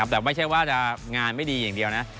แต่ไม่ใช่ว่าจะงานไม่ดีอย่างเดียวนะ